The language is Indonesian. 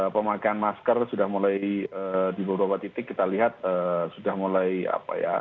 pemakaian masker sudah mulai di beberapa titik kita lihat sudah mulai apa ya